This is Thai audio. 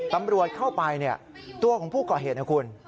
ตำรวจเข้าไปตัวของผู้ก่อเหตุนะคุณ